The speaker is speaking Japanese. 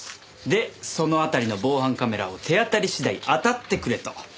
でその辺りの防犯カメラを手当たり次第当たってくれと。